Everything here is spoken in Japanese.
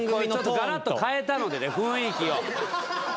ガラッと変えたのでね雰囲気を。